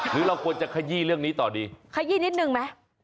หรือเราควรจะขยี้เรื่องนี้ต่อดีขยี้นิดนึงไหม